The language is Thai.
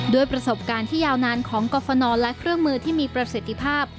ประสบการณ์ที่ยาวนานของกรฟนและเครื่องมือที่มีประสิทธิภาพ